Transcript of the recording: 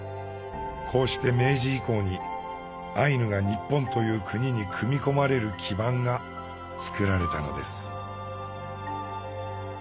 こうして明治以降にアイヌが日本という国に組み込まれる基盤が作られたのです。